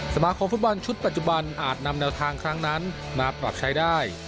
สมาคมฟุตบอลชุดปัจจุบันอาจนำแนวทางครั้งนั้นมาปรับใช้ได้